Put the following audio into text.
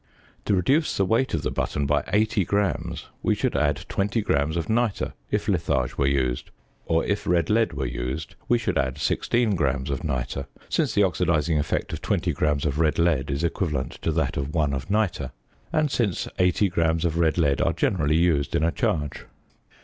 To reduce the weight of the button by 80 grammes, we should add 20 grams of nitre, if litharge were used; or if red lead were used, we should add 16 grams of nitre, since the oxidizing effect of 20 grams of red lead is equivalent to that of 1 of nitre, and since 80 grams of red lead are generally used in a charge.